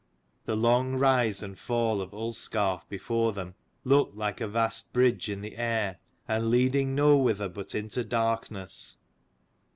The long rise and fall of Ullscarf before them looked like a vast bridge in the air, and leading nowhither but into darkness.